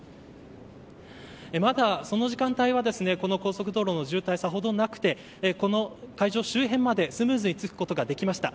まだその時間帯はこの高速道路の渋滞はさほどなくて、会場周辺まで行くことができました。